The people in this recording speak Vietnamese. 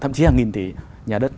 thậm chí hàng nghìn tỷ nhà đất